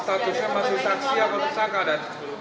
dan itu statusnya masih tak siap atau tak ada